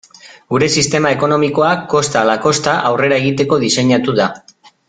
Gure sistema ekonomikoa kosta ala kosta aurrera egiteko diseinatu da.